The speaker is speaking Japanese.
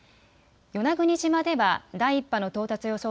与那国島では第１波の到達予想